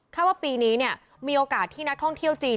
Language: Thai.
ว่าปีนี้มีโอกาสที่นักท่องเที่ยวจีน